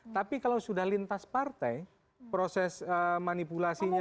tapi kalau sudah lintas partai proses manipulasinya